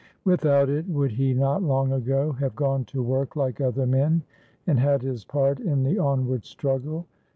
Without it, would he not long ago have gone to work like other men, and had his part in the onward struggle?